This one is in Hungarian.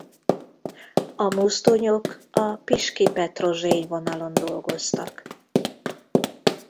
A mozdonyok a Piski-Petrozsény vonalon dolgoztak.